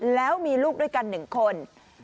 แล้วมีลูกด้วยกัน๑คน